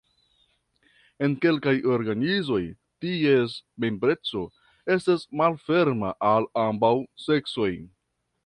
En kelkaj organizoj, ties membreco estas malferma al ambaŭ seksoj.